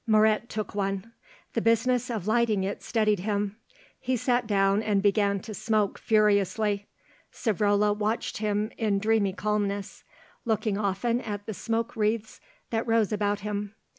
Moret took one; the business of lighting it steadied him; he sat down and began to smoke furiously. Savrola watched him in dreamy calmness, looking often at the smoke wreathes that rose about him.